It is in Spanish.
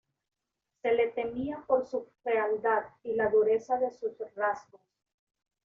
Se le temía por su fealdad y la dureza de sus rasgos.